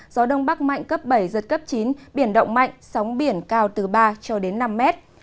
gió đông bắc mạnh cấp bảy giật cấp chín biển động mạnh sóng biển cao từ ba cho đến năm mét